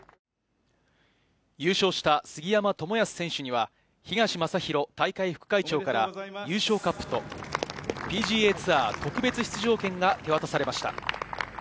優勝した杉山知靖選手には東正浩大会副会長から優勝カップと、ＰＧＡツアー特別出場権が手渡されました。